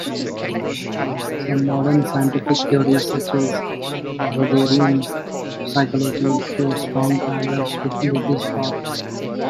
Some modern scientific theories, such as Rogerian psychology, show strong parallels with Buddhist thought.